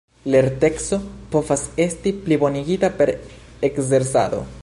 Lerteco povas esti plibonigita per ekzercado.